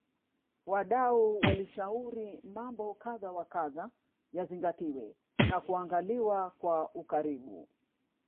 Wadau walishauri mambo kadha wa kadha yazingatiwe na kuangaliwa kwa ukaribu